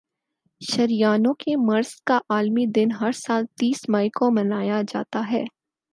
شریانوں کے مرض کا عالمی دن ہر سال تیس مئی کو منایا جاتا ہے